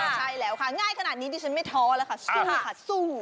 ใช่แล้วค่ะง่ายขนาดนี้ดิฉันไม่ท้อแล้วค่ะสู้ค่ะสู้